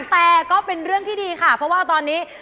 แต่ก็เป็นเรื่องที่ดีค่ะเพราะว่าตอนนี้